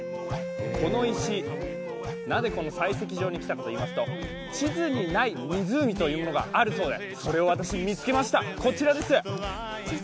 この石、なぜこの採石場に来たのかといいますと、地図にない湖というものがあるそうで、それを私、見つけました。